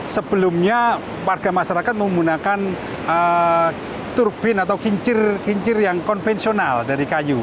sebelumnya warga masyarakat menggunakan turbin atau kincir kincir yang konvensional dari kayu